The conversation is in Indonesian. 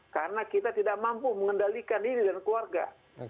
karena kita tidak mampu mengendalikan diri dan keluarga